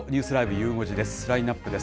ゆう５時です。